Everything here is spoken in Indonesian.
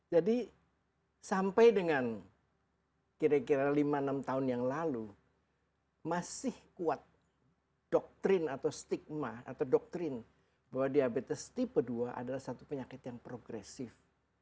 jadi sampai dengan kira kira lima enam tahun yang lalu masih kuat doktrin atau stigma atau doktrin bahwa diabetes tipe dua adalah satu penyakit yang progresif